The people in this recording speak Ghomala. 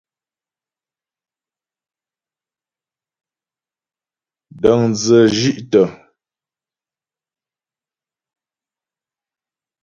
Dəŋdzə shí'tə.